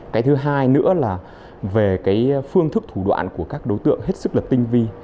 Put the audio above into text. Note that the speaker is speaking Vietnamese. cái thứ hai nữa là về cái phương thức thủ đoạn của các đối tượng hết sức là tinh vi